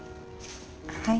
はい？